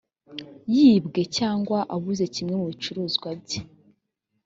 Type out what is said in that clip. yibwe cyangwa abuze kimwe mu bicuruzwa bye